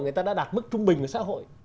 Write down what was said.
người ta đã đạt mức trung bình của xã hội